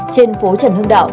trên phố trần hương đạo